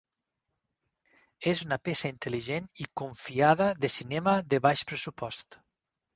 És una peça intel·ligent i confiada de cinema de baix pressupost.